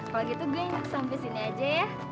kalau gitu gue sampai sini aja ya